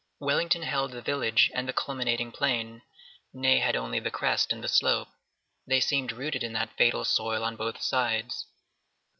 Wellington held the village and the culminating plain; Ney had only the crest and the slope. They seemed rooted in that fatal soil on both sides.